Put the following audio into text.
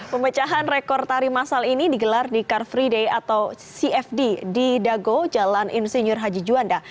pemecahan rekor tari masal ini digelar di car free day atau cfd di dago jalan insinyur haji juanda